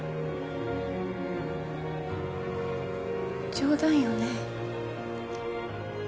冗談よね？